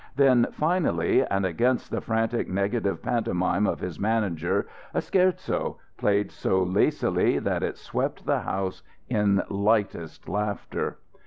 Then, finally, and against the frantic negative pantomime of his manager, a scherzo, played so lacily that it swept the house in lightest laughter.